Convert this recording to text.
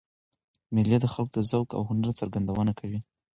مېلې د خلکو د ذوق او هنر څرګندونه کوي.